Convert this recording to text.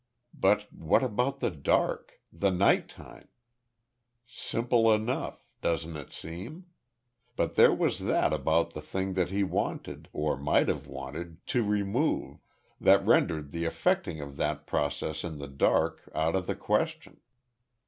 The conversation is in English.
But what about the dark the night time? Simple enough doesn't it seem? But there was that about the thing that he wanted or might have wanted to remove that rendered the effecting of that process in the dark out of the question.